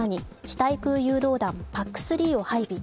対空誘導弾、ＰＡＣ３を配備。